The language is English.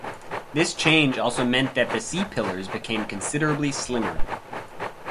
This change also meant that the C-pillars became considerably slimmer.